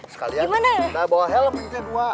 sekalian kita bawa helm minggu ini dua